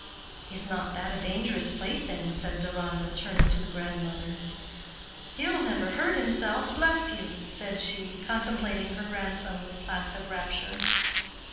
"Is not that a dangerous plaything?" said Deronda, turning to the grandmother. "He'll never hurt himself, bless you!" said she, contemplating her grandson with placid rapture.